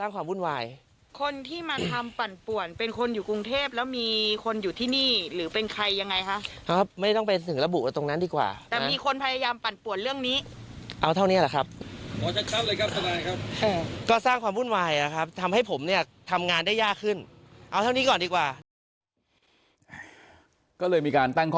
ก็เลยมีการตั้งความว่าย์แล้วกันนะครับ